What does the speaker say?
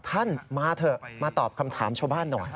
ท่านมาเถอะมาตอบคำถามชาวบ้านหน่อย